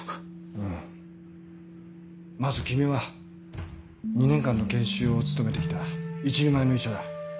うんまず君は２年間の研修をつとめて来た一人前の医者だ。